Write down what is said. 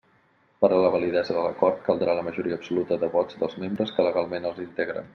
Per a la validesa de l'acord caldrà la majoria absoluta de vots dels membres que legalment els integren.